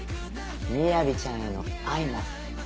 みやびちゃんへの愛も。